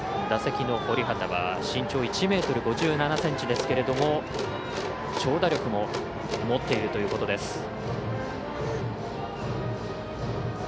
打席の堀畑は身長１ｍ５７ｃｍですけれども長打力も持っているということです。